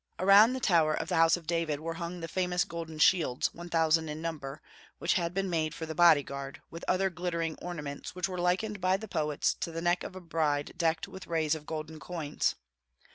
Around the tower of the House of David were hung the famous golden shields, one thousand in number, which had been made for the body guard, with other glittering ornaments, which were likened by the poets to the neck of a bride decked with rays of golden coins.